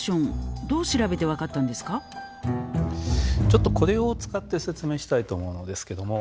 ちょっとこれを使って説明したいと思うのですけども。